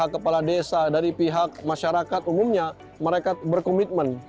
kepala desa dari pihak masyarakat umumnya mereka berkomitmen